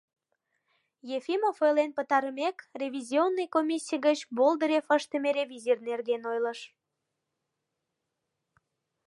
Ефимов ойлен пытарымек, ревизионный комиссий гыч Болдырев ыштыме ревизий нерген ойлыш.